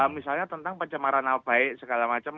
misalnya tentang pajamara nabai segala macam